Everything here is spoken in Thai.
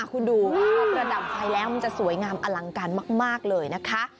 คุณดูพอประดับไฟแล้วมันจะสวยงามอลังการมากเลยนะคะ